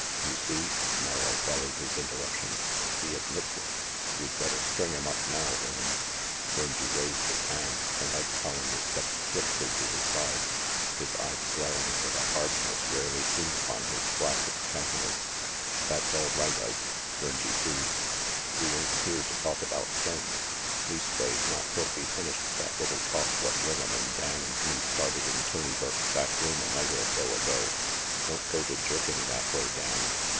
"You see," Merrill bellowed his interruption, "he admits it. We'd better string him up now, Ring'em." Rangy raised his hand, and Ike Collander stepped swiftly to his side, his eyes glaring with a hardness rarely seen upon his flaccid countenance. "That's all right, Ike," Rangy soothed. "We ain't here to talk about Sonnes. Leastways, not till we've finished that little talk what Ring'em and Dan and me started in Tony Burke's back room a night or so ago don't go to jerking that way, Dan.